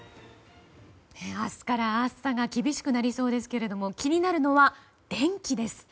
明日から暑さが厳しくなりそうですけども気になるのは電気です。